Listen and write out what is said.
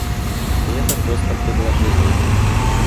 И это просто предположение.